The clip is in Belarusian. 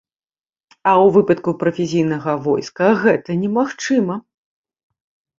А ў выпадку прафесійнага войска гэта немагчыма.